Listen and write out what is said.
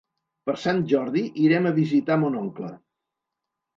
Per Sant Jordi irem a visitar mon oncle.